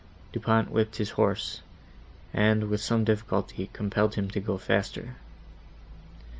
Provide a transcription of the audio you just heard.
Du Pont whipped his horse, and with some difficulty compelled him to go faster.